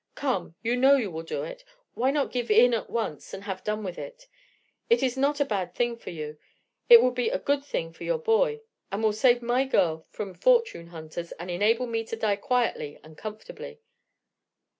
Come, you know you will do it; why not give in at once, and have done with it? It is not a bad thing for you, it will be a good thing for your boy, it will save my girl from fortune hunters, and enable me to die quietly and comfortably."